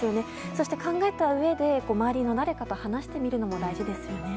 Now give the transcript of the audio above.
そして考えたうえで周りの誰かと話してみることも大事ですよね。